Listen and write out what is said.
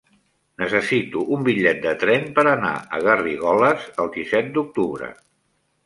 Necessito un bitllet de tren per anar a Garrigoles el disset d'octubre.